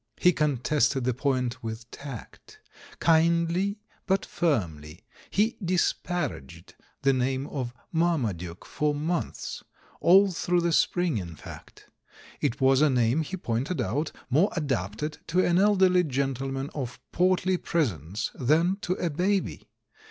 He contested the point with tact. Kindly, but firmly, he disparaged the name of "Marmaduke" for months, all through the spring in fact. It was a name, he pointed out, more adapted to an elderly gentleman of portly presence than to a baby.